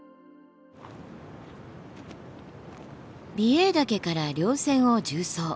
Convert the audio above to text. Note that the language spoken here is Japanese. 美瑛岳から稜線を縦走。